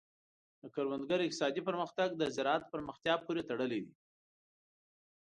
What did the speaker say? د کروندګر اقتصادي پرمختګ د زراعت پراختیا پورې تړلی دی.